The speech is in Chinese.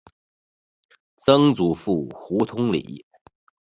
曾祖父胡通礼。